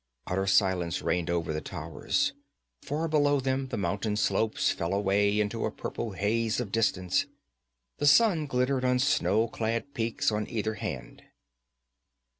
Utter silence reigned over the towers. Far below them the mountain slopes fell away into a purple haze of distance. The sun glittered on snow clad peaks on either hand.